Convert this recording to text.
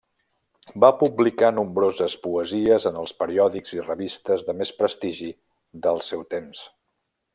Va publicar nombroses poesies en els periòdics i revistes de més prestigi del seu temps.